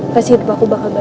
pasti hidup aku bakal baik dia